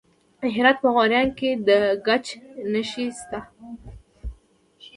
د هرات په غوریان کې د ګچ نښې شته.